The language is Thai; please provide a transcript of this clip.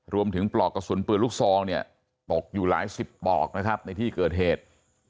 ปลอกกระสุนปืนลูกซองเนี่ยตกอยู่หลายสิบปลอกนะครับในที่เกิดเหตุ